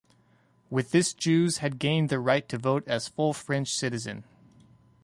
With this Jews had gained the right to vote as full French citizen.